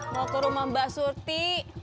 mau ke rumah mbak surti